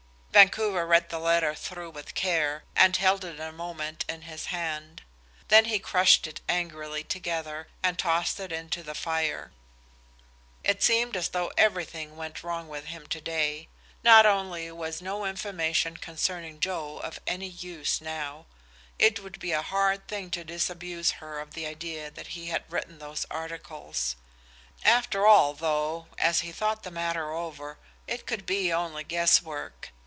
Vancouver read the letter through with care, and held it a moment in his hand. Then he crushed it angrily together and tossed it into the fire. It seemed as though everything went wrong with him to day. Not only was no information concerning Joe of any use now. It would be a hard thing to disabuse her of the idea that he had written those articles. After all, though, as he thought the matter over, it could be only guess work.